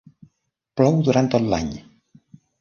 Plou durant tot l'any.